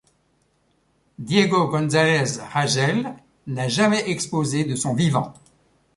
Diego González Ragel n'a jamais exposé de son vivant.